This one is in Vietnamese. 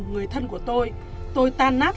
người thân của tôi tôi tan nát